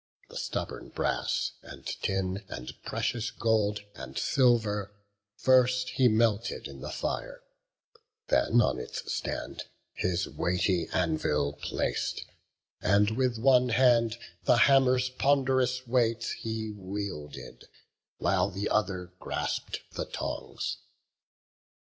The stubborn brass, and tin, and precious gold, And silver, first he melted in the fire, Then on its stand his weighty anvil plac'd; And with one hand the hammer's pond'rous weight He wielded, while the other grasp'd the tongs.